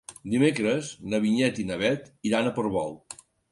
Dimecres na Vinyet i na Bet iran a Portbou.